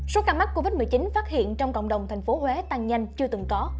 số ca mắc covid một mươi chín phát hiện trong cộng đồng thành phố huế tăng nhanh chưa từng có